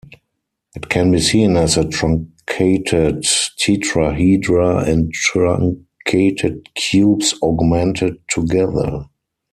It can be seen as truncated tetrahedra and truncated cubes augmented together.